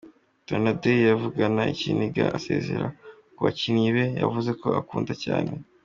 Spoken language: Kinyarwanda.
Donadei yavugana ikiniga asezera ku bakinnyi be yavuze ko akunda cyane.